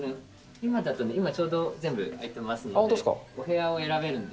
今だとね、今ちょうど、全部空いてますので。